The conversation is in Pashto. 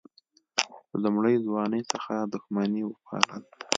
له لومړۍ ځوانۍ څخه دښمني وپالل.